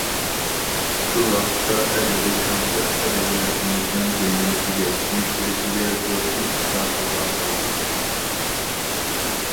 شۇ ۋاقىتتا ئەدەبىي تەنقىد ئەدەبىياتىمىزنىڭ گۈللىنىشىگە، يۈكسىلىشىگە زور كۈچ ئاتا قىلغان بولىدۇ.